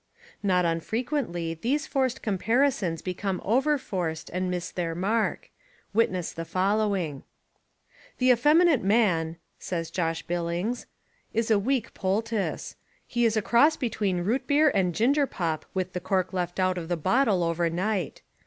Not unfrequently these forced comparisons become overforced and miss their mark. Wit ness the following: "The effeminate man," says Josh Billings, "is a weak poultiss. He is a cross between root beer and ginger pop with the cork left out of the bottle overnight.